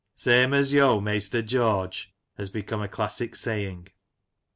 '' Same as yo', maister George," has become a classic saying.